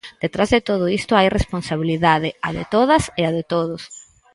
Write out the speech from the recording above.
Detrás de todo isto hai responsabilidade, a de todas e a de todos.